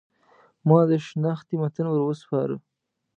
ما د شنختې متن ور وسپاره.